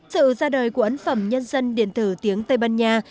sự ra đời của ấn phẩm nhân dân điện tử tiếng tây ban nha